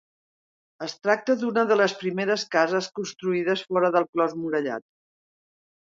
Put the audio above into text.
Es tracta d'una de les primeres cases construïdes fora del clos murallat.